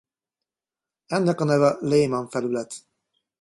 Ennek neve Lehmann-felület.